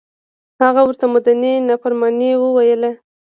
هغه ورته مدني نافرماني وویله.